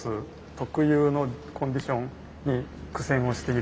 特有のコンディションに苦戦をしている状況です。